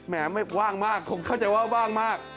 แม้ว่างมากคงเข้าใจว่าว่างมาก